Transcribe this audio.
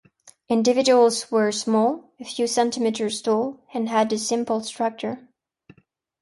Individuals were small, a few centimetres tall, and had a simple structure.